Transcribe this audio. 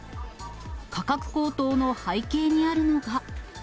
価格高騰の背景にあるのが。